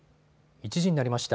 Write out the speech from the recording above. １時になりました。